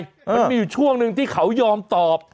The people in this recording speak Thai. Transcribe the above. มันมีช่วงนึงที่เขายอมตอบ